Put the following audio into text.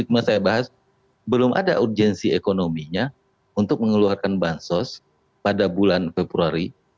cuma saya bahas belum ada urgensi ekonominya untuk mengeluarkan bansos pada bulan februari